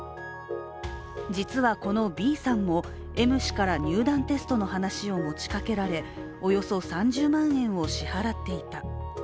実はこのＢさんもＭ氏から入団テストの話を持ちかけられおよそ３０万円を支払っていた。